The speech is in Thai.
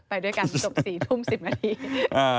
ไปด้วยกันจบ๔ทุ่ม๑๐นาที